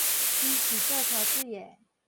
伊是做塗水的